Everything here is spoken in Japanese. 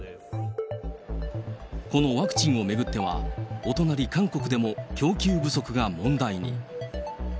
このワクチンを巡っては、お隣、韓国でも供給不足が問題に。